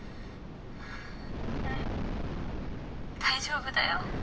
うん大丈夫だよ。